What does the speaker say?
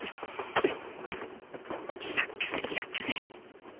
リラックスリラックス。